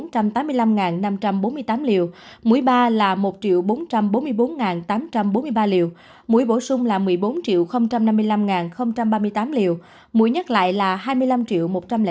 trong đó số liều tiêm cho người từ một mươi tám tuổi trở lên là một mươi tám bốn trăm một mươi bốn tám trăm bốn mươi ba liều mũi bổ sung là một mươi bốn năm mươi năm ba mươi tám liều mũi nhắc lại là hai mươi năm một trăm linh sáu một trăm hai mươi bảy liều